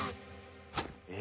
え！